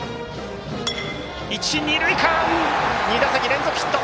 一、二塁間２打席連続ヒット！